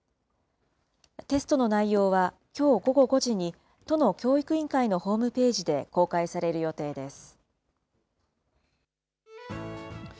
テストの内容はきょう午後５時に、都の教育委員会のホームページで公開される予定です。